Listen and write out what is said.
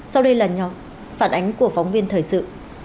sau đây là phản ánh của phóng viên thời sự